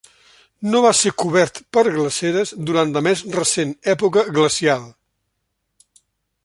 No va ser cobert per glaceres durant la més recent època glacial.